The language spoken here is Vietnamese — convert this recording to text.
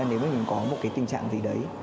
nếu mình có một tình trạng gì đấy